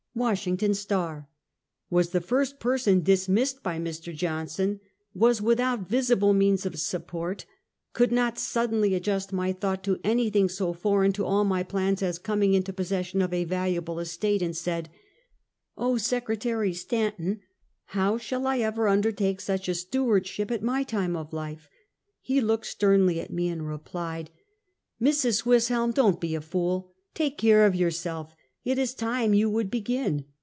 — Washington Star — was the first person dis missed by Mr. Johnson; was without visible means of support, could not suddenly adjust my thought to any thing so foreign to all my plans as coming into pos session of a valuable estate, and said: " Oh, Secretary Stanton, how shall I ever undertake such a stewardship at my time of life?" He looked sternly at me, and replied: Conclusion. 3G3 " Mrs. Swisshelm, don't be a fool! take care of jonr self! It is time yon would begin.